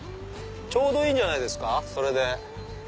ちょうどいいんじゃないですかそれで。